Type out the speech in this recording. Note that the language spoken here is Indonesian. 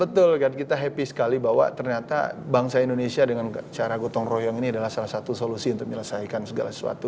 betul kan kita happy sekali bahwa ternyata bangsa indonesia dengan cara gotong royong ini adalah salah satu solusi untuk menyelesaikan segala sesuatu